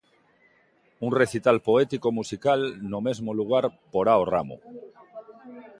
Un recital poético musical no mesmo lugar porá o ramo.